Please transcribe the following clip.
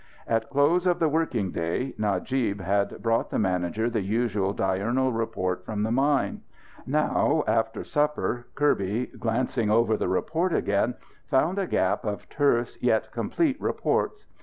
At close of the working day, Najib had brought the manager the usual diurnal report from the mine. Now, after supper, Kirby, glancing over the report again, found a gap of terse yet complete reports.